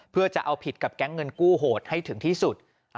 เพื่อจะเอาผิดกับแก๊งเงินกู้โหดให้ถึงที่สุด